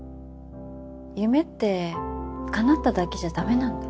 夢ってかなっただけじゃだめなんだ。